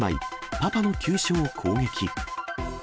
パパの急所を攻撃。